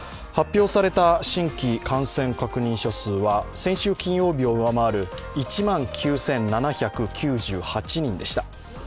発表された新規感染確認者数は先週金曜日を上回る１万９７９８人でした。